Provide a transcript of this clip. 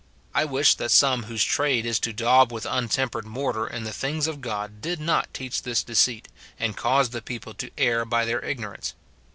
I wisli that some whose trade is to daub with untempered mortar in the things of God did not teach this deceit, and cause the people to err by their ignorance.